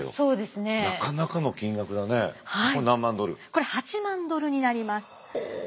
これ８万ドルになります。